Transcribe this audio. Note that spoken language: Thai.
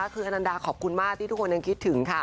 คืออนันดาขอบคุณมากที่ทุกคนยังคิดถึงค่ะ